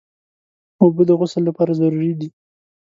اوبه د غسل لپاره ضروري دي.